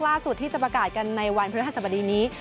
ล่าสุดที่จะประกาศกันวันพฤษฐศาสตร์บัดนี้